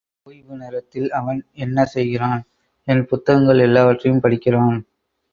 ஓய்வு நேரத்தில் அவன் என்ன செய்கிறான்? என் புத்தகங்கள் எல்லாவற்றையும் படிக்கிறான்.